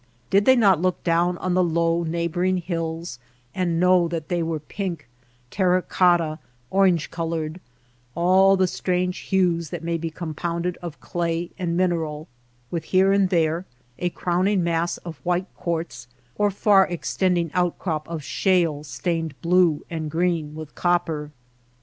Did they not look down on the low neighboring hills and know that they were pink, terra cotta, orange colored — all the strange hues that may be com pounded of clay and mineral — with here and there a crowning mass of white quartz or a far extending outcrop of shale stained blue and green with copper